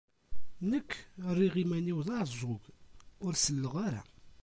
Nekk, rriɣ iman-iw d aɛeẓẓug, ur selleɣ ara.